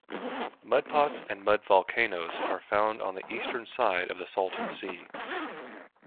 Mudpots and mud volcanoes are found on the eastern side of the Salton Sea.